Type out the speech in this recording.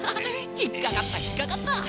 引っかかった引っかかった！